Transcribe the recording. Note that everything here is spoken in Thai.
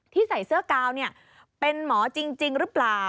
ใส่เสื้อกาวเป็นหมอจริงหรือเปล่า